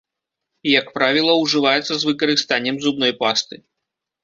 Як правіла, ужываецца з выкарыстаннем зубной пасты.